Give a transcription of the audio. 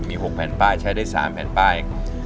มี๖แผ่นป้ายใช้ได้๓แผ่นป้าย